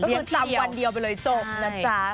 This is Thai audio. ต้องคืนตามวันเดียวไปเลยจบนะจ๊ะ